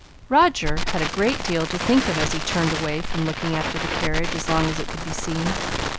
Roger had a great deal to think of as he turned away from looking after the carriage as long as it could be seen.